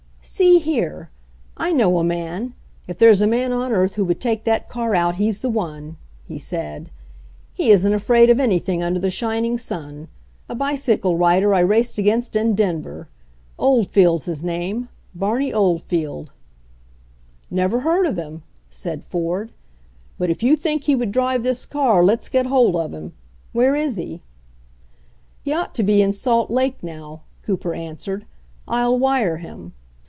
"See here! I know a man — if there's a man on earth who would take that car out he's the one !" he said. "He isn't afraid of anything un der the shining sun — a bicycle rider I raced against in Denver. Oldfield's his name — Barney Oldfield" "Never heard of him/' said Ford. "But if you think he would drive this car let's get hold of him. Where is he ?" "He ought to be in Salt Lake now," Cooper answered. "I'll wire him."